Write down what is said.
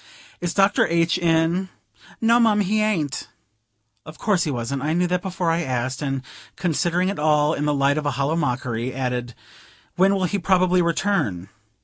"Is Dr. H. in?" "No, mum, he aint." Of course he wasn't; I knew that before I asked: and, considering it all in the light of a hollow mockery, added: "When will he probably return?"